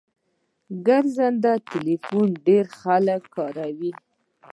ګرځنده ټلیفون ډیر خلګ کاروي